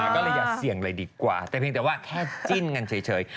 ก็อย่าเสี่ยงอะไรดีกว่าแค่ว่าแค่จิ้นเฉยเชย